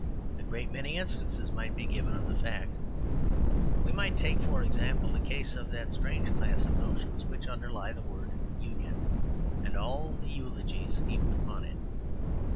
A great many instances might be given of the fact. We might take, for example, the case of that strange class of notions which underlie the word "union," and all the eulogies heaped upon it.